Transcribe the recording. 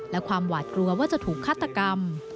และความหวาดกลัวว่าจะถูกฆาตกรรม